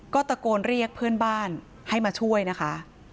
ก็ตะโกนเรียกเพื่อนบ้านให้มาช่วยนะคะ